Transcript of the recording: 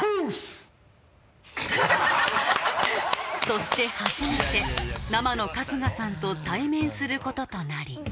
そして初めて生の春日さんと対面することとなり